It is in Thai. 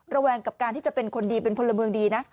แวงกับการที่จะเป็นคนดีเป็นพลเมืองดีนะ